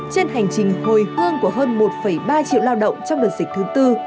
trên hành trình hồi hương của hơn một ba triệu lao động trong đợt dịch thứ tư